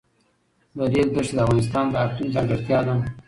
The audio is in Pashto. د ریګ دښتې د افغانستان د اقلیم ځانګړتیا ده.